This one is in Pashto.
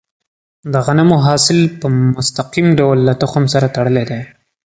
د غنمو حاصل په مستقیم ډول له تخم سره تړلی دی.